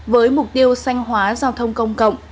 với mục tiêu sanh hóa giao thông công cộng